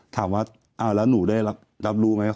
ถามว่าแล้วหนูได้รับรู้ไหม